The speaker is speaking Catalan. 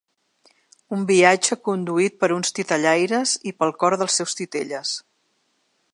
Un viatge conduït per uns titellaires i pel cor dels seus titelles.